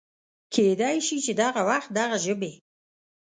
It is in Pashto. کېدی شي چې دغه وخت دغه ژبې